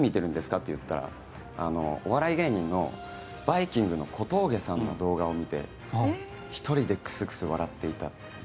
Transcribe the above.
って言ったらお笑い芸人のバイキングの小峠さんの動画を見て１人でクスクス笑っていたと。